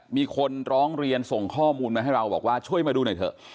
มีคนร้องเรียนส่งข้อมูลมาให้เราบอกว่าช่วยมาดูหน่อยเถอะ